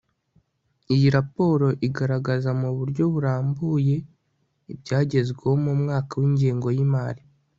iyi raporo iragaragaza mu buryo burambuye ibyagezweho mu mwaka w'ingengo y'imari